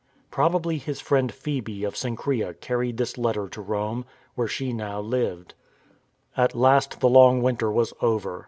Prob ably his friend Phcebe of Cenchrese carried this letter to Rome, where she now lived. At last the long winter was over.